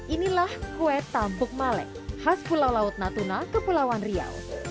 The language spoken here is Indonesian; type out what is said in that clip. inilah kue tambuk malek khas pulau laut natuna kepulauan riau